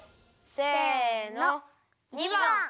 せの②ばん！